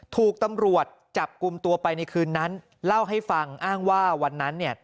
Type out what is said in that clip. ถูกตำรวจจับกลุ่มตัวไปในคืนนั้นเล่าให้ฟังอ้างว่าวันนั้นเนี่ย